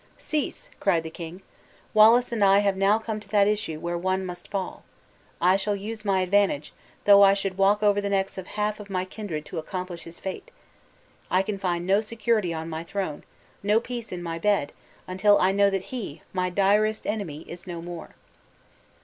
"Cease!" cried the king, "Wallace and I have now come to that issue where one must fall. I shall use my advantage, though I should walk over the necks of half my kindred to accomplish his fate. I can find no security on my throne, no peace in my bed, until I know that he, my direst enemy, is no more."